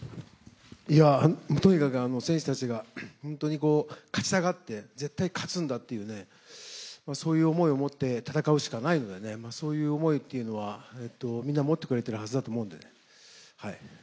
とにかく選手たちが勝ちたがって、絶対勝つんだというそういう思いを持って戦うしかないので、そういう思いはみんな持ってくれてるはずなので。